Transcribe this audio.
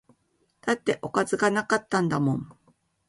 だっておかずが無かったんだもん